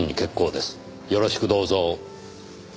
よろしくどうぞ。